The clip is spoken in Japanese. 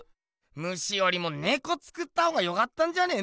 ムシよりもネコ作ったほうがよかったんじゃねえの？